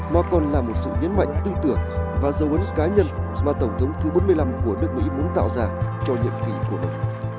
mà còn là một sự nhấn mạnh tư tưởng và dấu ấn cá nhân mà tổng thống thứ bốn mươi năm của nước mỹ muốn tạo ra cho nhiệm kỳ của mình